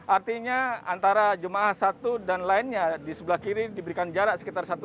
artinya antara jemaah satu dan lainnya di sebelah kiri diberikan jarak sekitar satu